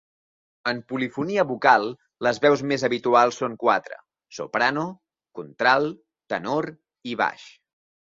En polifonia vocal les veus més habituals són quatre: soprano, contralt, tenor i baix.